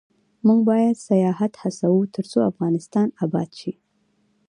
موږ باید سیاحت هڅوو ، ترڅو افغانستان اباد شي.